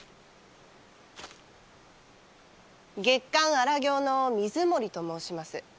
月刊「荒行」の水森と申します。